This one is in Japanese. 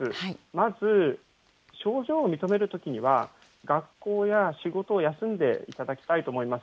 まず症状をみとめるときには学校や仕事を休んでいただきたいと思います。